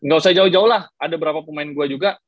gak usah jauh jauh lah ada beberapa pemain gua juga